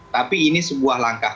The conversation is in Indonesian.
tapi ini sebuah langkah